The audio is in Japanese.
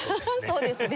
そうですね。